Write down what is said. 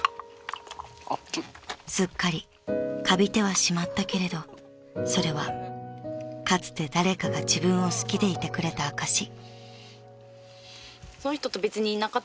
［すっかりカビてはしまったけれどそれはかつて誰かが自分を好きでいてくれた証し］